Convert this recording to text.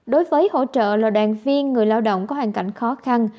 đối với hỗ trợ là đoàn viên người lao động có hoàn cảnh khó khăn